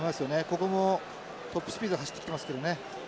ここもトップスピードで走ってきてますけどね。